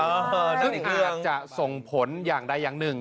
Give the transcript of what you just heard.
อาจจะส่งผลอย่างใดอย่างหนึ่ง